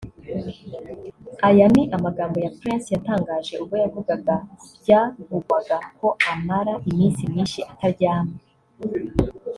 Aya ni amagambo ya Prince yatangaje ubwo yavugaga kubyavugwaga ko amara iminsi myinshi ataryamye